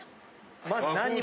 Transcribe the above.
まず何も。